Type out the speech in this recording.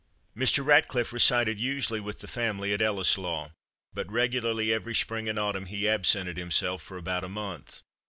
Mr. Ratcliffe resided usually with the family at Ellieslaw, but regularly every spring and autumn he absented himself for about a month.